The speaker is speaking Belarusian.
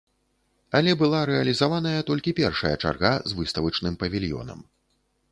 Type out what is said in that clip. Але была рэалізаваная толькі першая чарга з выставачным павільёнам.